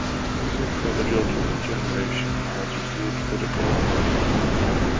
"Music for the Jilted Generation" has received critical acclaim.